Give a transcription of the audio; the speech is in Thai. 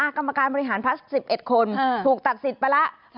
กรรมการบริหารพัก๑๑คนถูกตัดสิทธิ์ไปแล้ว